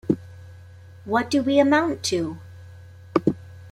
What do we amount to?